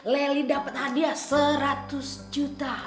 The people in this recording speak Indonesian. lely dapat hadiah seratus juta